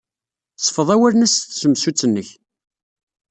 Sfeḍ awalen-a s tsemsut-nnek.